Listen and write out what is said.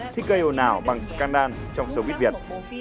thích gây hồn ảo bằng scandal trong số viết việt